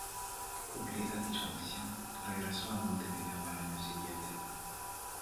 Cumplida dicha misión, regresó a Montevideo al año siguiente.